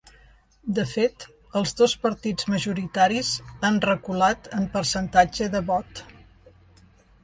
De fet, els dos partits majoritaris han reculat en percentatge de vot.